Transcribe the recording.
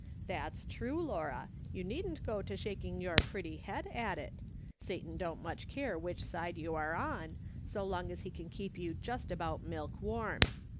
That's true, Laura, you needn't go to shaking your pretty head at it ; Satan don't much care which side you are on, so long as he can keep you just abou^t milk warm.